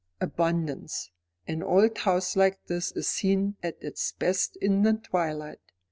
"Abundance. An old house like this is seen at its best in the twilight.